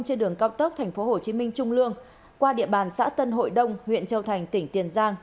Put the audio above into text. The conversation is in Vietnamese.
trên đường cao tốc tp hcm trung lương qua địa bàn xã tân hội đông huyện châu thành tỉnh tiền giang